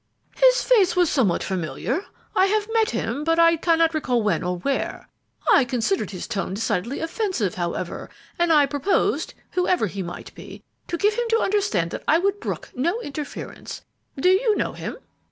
"His face was somewhat familiar; I have met him, but I cannot recall when or where. I considered his tone decidedly offensive, however, and I proposed, whoever he might be, to give him to understand that I would brook no interference. Do you know him?"